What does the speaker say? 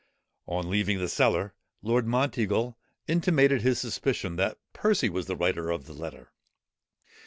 On leaving the cellar, Lord Monteagle intimated his suspicion that Percy was the writer of the letter.